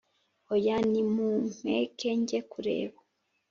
oya, nimumpeke njye kureba.